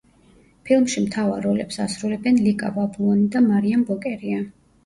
ფილმში მთავარ როლებს ასრულებენ ლიკა ბაბლუანი და მარიამ ბოკერია.